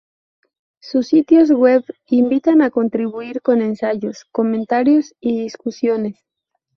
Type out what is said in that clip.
Sus sitios web invitan a contribuir con ensayos, comentarios y discusiones.